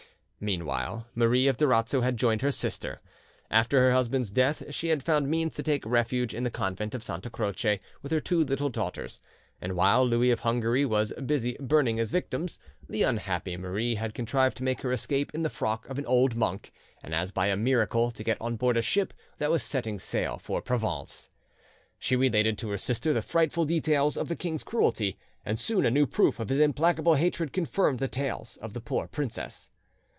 Meanwhile Marie of Durazzo had joined her sister. After her husband's death she had found means to take refuge in the convent of Santa Croce with her two little daughters; and while Louis of Hungary was busy burning his victims, the unhappy Marie had contrived to make her escape in the frock of an old monk, and as by a miracle to get on board a ship that was setting sail for Provence. She related to her sister the frightful details of the king's cruelty. And soon a new proof of his implacable hatred confirmed the tales of the poor princess.